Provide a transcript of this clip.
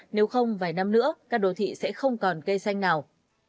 nếu không vài năm nữa các đồ thị sẽ không còn cây xanh nào